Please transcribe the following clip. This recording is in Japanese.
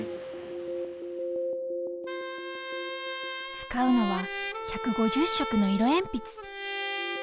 使うのは１５０色の色鉛筆。